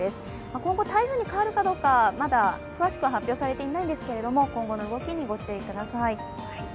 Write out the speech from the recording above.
今後、台風に変わるかどうか詳しく発表されていませんが今後の動きにご注意ください。